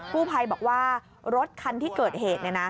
ผู้ภัยบอกว่ารถคันที่เกิดเหตุ